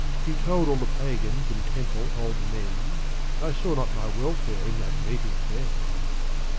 He told all the pagans and temple old men ; I saw not my welfare in that meeting then.